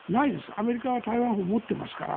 アメリカは台湾を守っていますから。